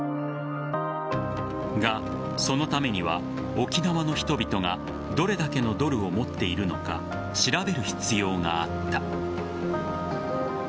が、そのためには沖縄の人々がどれだけのドルを持っているのか調べる必要があった。